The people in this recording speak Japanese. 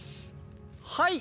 はい。